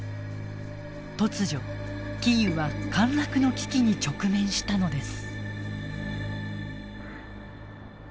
突如キーウは陥落の危機に直面したのです。